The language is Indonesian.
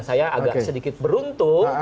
saya agak sedikit beruntung